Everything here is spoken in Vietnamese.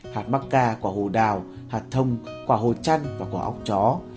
hạt mắc ca quả hồ đào hạt thông quả hồ chăn và quả ốc chó